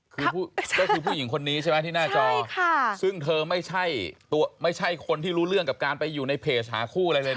คือก็คือผู้หญิงคนนี้ใช่ไหมที่หน้าจอซึ่งเธอไม่ใช่คนที่รู้เรื่องกับการไปอยู่ในเพจหาคู่อะไรเลยนะ